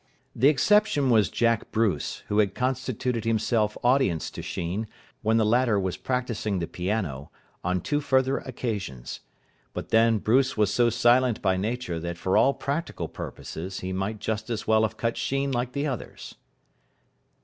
The exception was Jack Bruce, who had constituted himself audience to Sheen, when the latter was practising the piano, on two further occasions. But then Bruce was so silent by nature that for all practical purposes he might just as well have cut Sheen like the others.